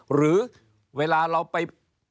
หรือเวลาเราไป